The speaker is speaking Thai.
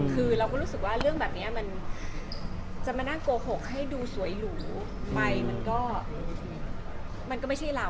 คือเราก็รู้สึกว่าเรื่องแบบนี้มันจะมานั่งโกหกให้ดูสวยหรูไปมันก็มันก็ไม่ใช่เรา